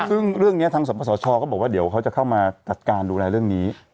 ซึ่งเรื่องนี้ทางสมสชก็บอกว่าเดี๋ยวเขาจะเข้ามาจัดการดูแลเรื่องนี้